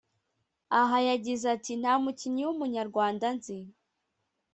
Aha yagize ati “Nta mukinnyi w’umunyarwanda nzi